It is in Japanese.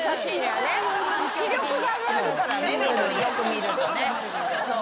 視力が上がるからね緑よく見るとね。